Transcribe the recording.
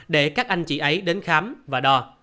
để các anh chị ấy đến khám và đo